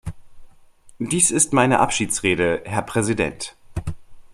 Dies ist meine Abschiedsrede, Herr Präsident.